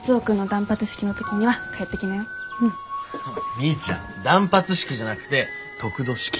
みーちゃん断髪式じゃなくて得度式！